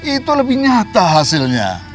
itu lebih nyata hasilnya